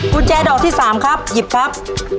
กุญแจดอกที่๓ครับหยิบครับ